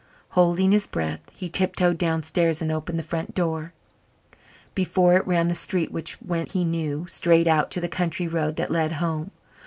Holding his breath, he tiptoed downstairs and opened the front door. Before it ran the street which went, he knew, straight out to the country road that led home.